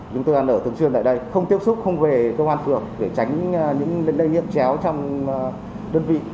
chúng tôi ăn ở thường xuyên tại đây không tiếp xúc không về công an phường để tránh những lây nhiễm chéo trong đơn vị